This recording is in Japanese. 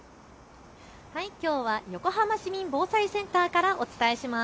きょうは横浜市民防災センターからお伝えします。